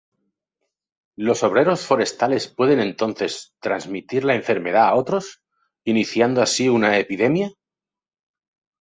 Los obreros forestales pueden entonces transmitir la enfermedad a otros, iniciando así una epidemia.